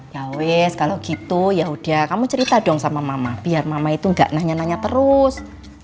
ya wis kalau gitu yaudah kamu cerita dong sama mama biar mama itu gak nanya nanya terus